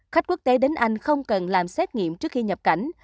khách quốc tế đến anh không cần làm xét nghiệm trước khi nhập cảnh